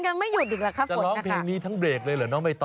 ยังไม่หยุดอีกแล้วค่ะฝนนะคะ